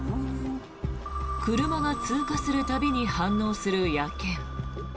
車が通過する度に反応する野犬。